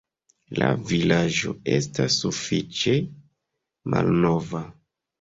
La vilaĝo estas sufiĉe malnova.